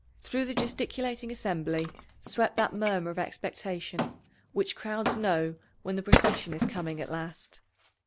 Through the gesticulating assembly swept that murmur of expectation which crowds know when the procession is coming at last.